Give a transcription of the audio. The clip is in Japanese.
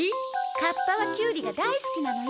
カッパはキュウリが大好きなのよ。